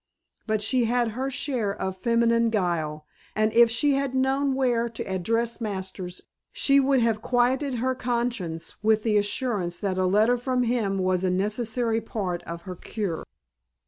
But she had her share of feminine guile, and if she had known where to address Masters she would have quieted her conscience with the assurance that a letter from him was a necessary part of her cure.